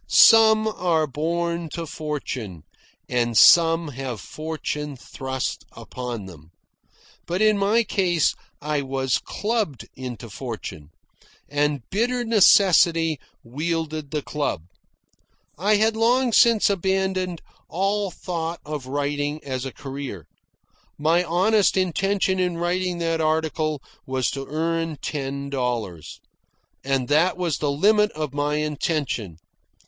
Some are born to fortune, and some have fortune thrust upon them. But in my case I was clubbed into fortune, and bitter necessity wielded the club. I had long since abandoned all thought of writing as a career. My honest intention in writing that article was to earn ten dollars. And that was the limit of my intention.